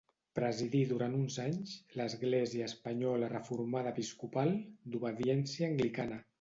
Presidí durant uns anys l'Església Espanyola Reformada Episcopal, d'obediència anglicana.